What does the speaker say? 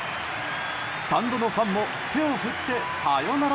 スタンドのファンも手を振ってサヨナラ！